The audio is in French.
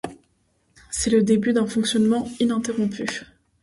C’est le début d’un fonctionnement ininterrompu.